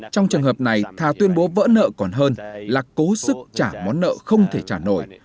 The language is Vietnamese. trong trường hợp này thà tuyên bố vỡ nợ còn hơn là cố sức trả món nợ không thể trả nổi